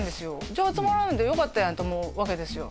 じゃあ集まらんでよかったやんと思うわけですよ